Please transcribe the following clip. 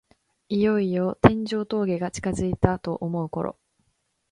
いよいよ天城峠が近づいたと思うころ